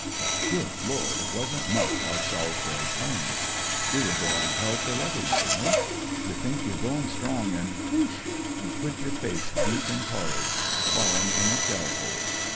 But, good Lord, it wasn't much like SaUsbury Plain. We were going hell for leather, you know. You think you're going strong, and— whoosh 1 You've put your face deep in porridge. Fallen in a shell hole.